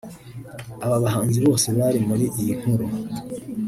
Aba bahanzi bose bari muri iyi nkuru